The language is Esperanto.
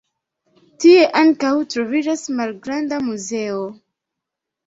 Tie ankaŭ troviĝas malgranda muzeo.